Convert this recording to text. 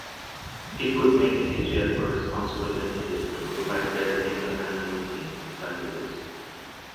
It could make it easier for responsible entities to provide better email anonymity services.